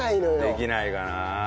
できないかな。